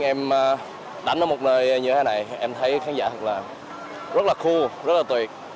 đầu tiên em đánh ở một nơi như thế này em thấy khán giả thật là rất là cool rất là tuyệt